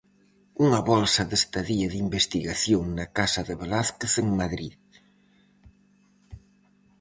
Unha bolsa de estadía de investigación na Casa de Velázquez en Madrid.